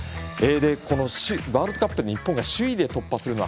このワールドカップに日本が首位で突破するのは